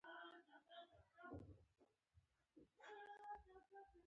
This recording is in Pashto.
دوهم شرط د ځینو افرادو لاسونو ته د وسایلو راتلل دي